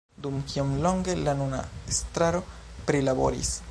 Dum kiom longe la nuna estraro prilaboris